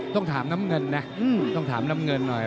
ต้องถามน้ำเงินนะต้องถามน้ำเงินหน่อย